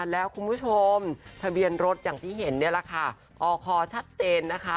แล้วคุณผู้ชมทะเบียนรถอย่างที่เห็นเนี่ยแหละค่ะอคอชัดเจนนะคะ